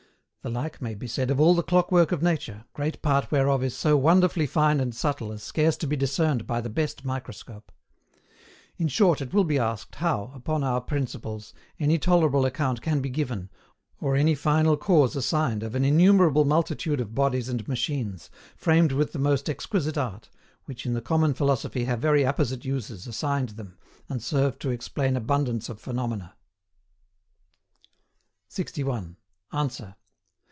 The like may be said of all the clockwork of nature, great part whereof is so wonderfully fine and subtle as scarce to be discerned by the best microscope. In short, it will be asked, how, upon our principles, any tolerable account can be given, or any final cause assigned of an innumerable multitude of bodies and machines, framed with the most exquisite art, which in the common philosophy have very apposite uses assigned them, and serve to explain abundance of phenomena? 61. ANSWER.